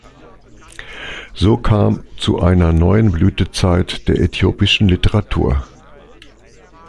So kam zu einer neuen Blütezeit der äthiopischen Literatur.